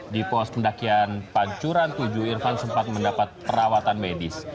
di pos pendakian pancuran tujuh irfan sempat mendapat perawatan medis